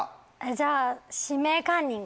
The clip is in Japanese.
じゃあ「指名カンニング」。